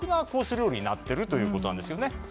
料理になっているということです。